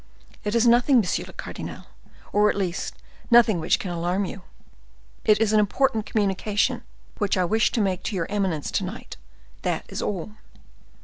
"It is nothing, monsieur le cardinal, or at least nothing which can alarm you. It is an important communication which I wish to make to your eminence to night,—that is all."